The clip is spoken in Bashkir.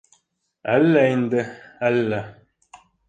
Әллә инде, әллә...